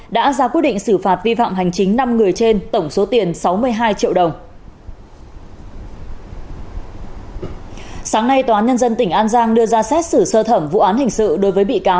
đã ra quyết định xử phạt vi phạm hành chính năm người trên tổng số tiền sáu mươi hai triệu đồng